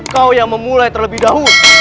kau yang memulai terlebih dahulu